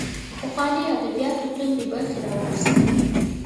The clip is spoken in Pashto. پخوانیو ادبیاتو توندۍ برخې راواخیستې